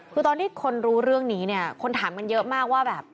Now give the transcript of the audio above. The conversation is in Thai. คือตอนที่คนรู้เรื่องนี้เนี่ยคนถามกันเยอะมากว่าแบบ